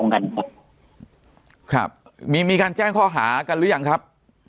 ครับมีการแจ้งข้อฐานกันหรืออย่างครับ